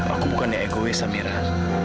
aku bukan egois amirah